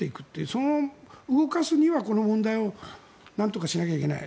それを動かすには、この問題をなんとかしなきゃいけない。